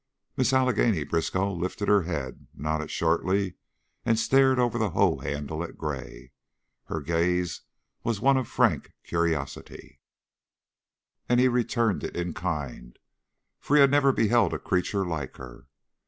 Miss Allegheny Briskow lifted her head, nodded shortly, and stared over the hoe handle at Gray. Her gaze was one of frank curiosity, and he returned it in kind, for he had never beheld a creature like her.